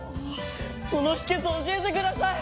その秘訣教えてください！